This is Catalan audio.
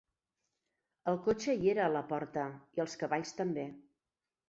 El cotxe hi era a la porta, i els cavalls també